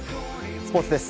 スポーツです。